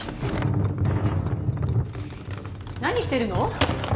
何してるの？